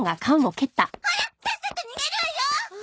ほらさっさと逃げるわよ！